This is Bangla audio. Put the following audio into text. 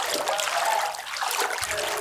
কাঠবিড়ালিরা গাছে গাছে ছুটাছুটি করিতেছে।